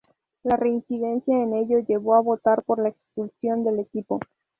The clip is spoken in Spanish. La reincidencia en ello llevó a votar por la expulsión del equipo.